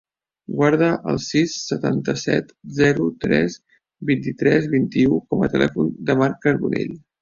Guarda el sis, setanta-set, zero, tres, vint-i-tres, vint-i-u com a telèfon del Marc Carbonell.